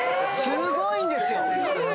すごいんですよ。